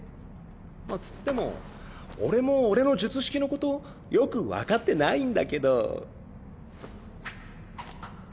つっても俺も俺の術式のことよく分かってないんだけど。